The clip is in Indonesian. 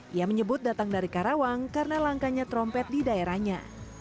dia menyebut datang dari karawang karena langkanya trompet di daerahnya